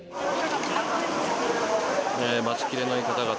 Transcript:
待ち切れない方々